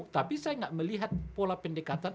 tapi saya tidak melihat pola pendekatan